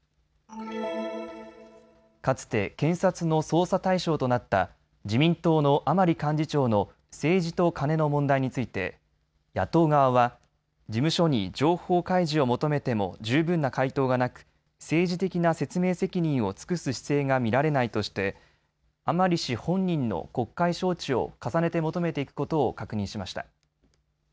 かつて検察の捜査対象となった自民党の甘利幹事長の政治とカネの問題について野党側は事務所に情報開示を求めても十分な回答がなく政治的な説明責任を尽くす姿勢が見られないとして甘利氏本人の国会招致を重ねて求めていくことを確認しました。